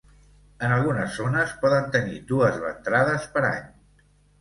En algunes zones, poden tenir dues ventrades per any.